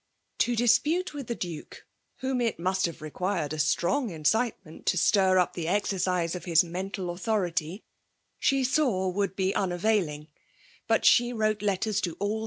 To dispute with the Duke, whom it must have required a strong incitement to stir up to the exercise of his mental authority, she saw would be un availing; but she wrote letters to all h«?